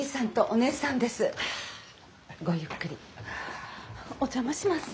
お邪魔します。